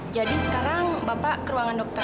jadi sekarang bapak ke ruangan dokter